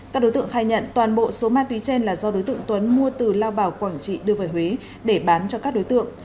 các đối tượng khai nhận toàn bộ số ma túy trên là do đối tượng tuấn mua từ lao bảo quảng trị đưa về huế để bán cho các đối tượng